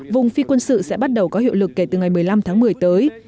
vùng phi quân sự sẽ bắt đầu có hiệu lực kể từ ngày một mươi năm tháng một mươi tới